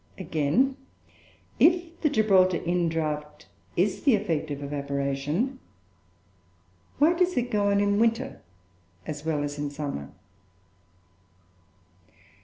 Again, if the Gibraltar indraught is the effect of evaporation, why does it go on in winter as well as in summer?